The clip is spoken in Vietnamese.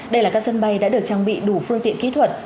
đây là các sân bay đã được trang bị đủ phương tiện kỹ thuật